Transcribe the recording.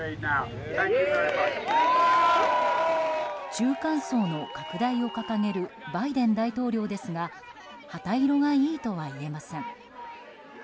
中間層の拡大を掲げるバイデン大統領ですが旗色がいいとはいえません。